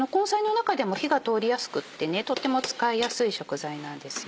中でも火が通りやすくってとっても使いやすい食材なんですよ。